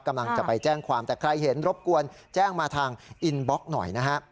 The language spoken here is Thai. กำลังจะไปแจ้งความแต่ใครเห็นรบกวนแจ้งมาทางอินบล็อกหน่อยนะฮะ